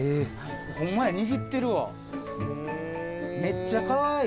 ホンマや握ってるわめっちゃかわいい。